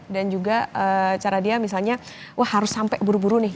dan juga cara dia misalnya wah harus sampai buru buru nih